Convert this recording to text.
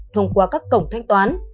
thông qua các cổng thanh toán